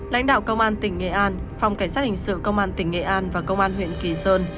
lãnh đạo công an tỉnh nghệ an phòng cảnh sát hình sự công an tỉnh nghệ an và công an huyện kỳ sơn